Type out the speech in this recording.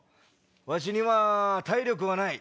わしには体力はない。